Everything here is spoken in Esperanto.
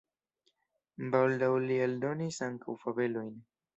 Baldaŭ li eldonis ankaŭ fabelojn.